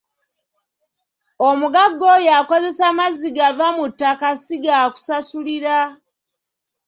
Omugagga oyo akozesa mazzi gava mu ttaka si gaakusasulira.